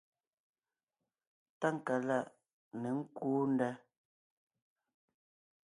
Tákaláʼ ně kúu ndá.